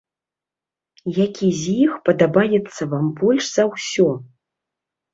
Які з іх падабаецца вам больш за ўсё?